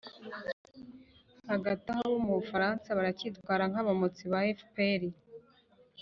hagati aho abo mu bufaransa bo baracyitwara nk'abamotsi ba fpr.